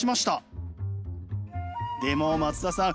でも松田さん